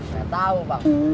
saya tau bang